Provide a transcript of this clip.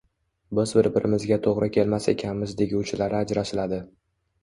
Biz bir birimizga to`g`ri kelmas ekanmiz deguvchilari ajralishadi